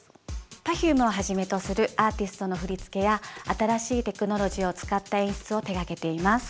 Ｐｅｒｆｕｍｅをはじめとするアーティストの振付や新しいテクノロジーを使った演出を手がけています。